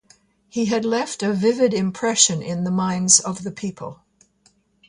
He had left a vivid impression in the minds of the people.